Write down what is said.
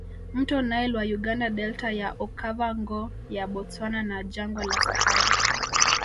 Mto Nile wa Uganda Delta ya Okava ngo ya Bostwana na Jangwa la Sahara